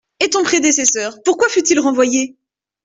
Et ton prédécesseur, pourquoi fut-il renvoyé ?